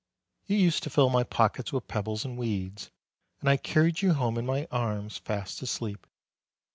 You used to fill my pockets with pebbles and weeds, and I carried you home in my arms, fast asleep.